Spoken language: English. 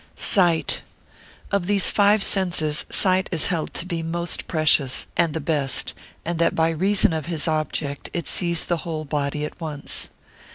Sight.] Of these five senses, sight is held to be most precious, and the best, and that by reason of his object, it sees the whole body at once.